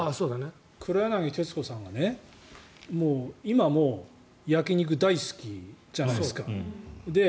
黒柳徹子さんが今も焼き肉大好きじゃないですか。